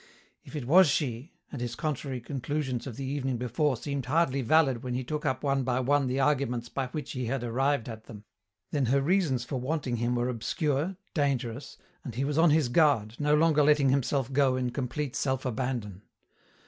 If it was she and his contrary conclusions of the evening before seemed hardly valid when he took up one by one the arguments by which he had arrived at them then her reasons for wanting him were obscure, dangerous, and he was on his guard, no longer letting himself go in complete self abandon.